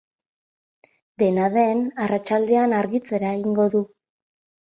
Dena den, arratsaldean argitzera egingo du.